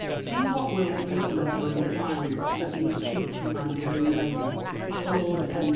Be what will the reason of your inquiry, let me entreat you, my dear young lady, for Lord M.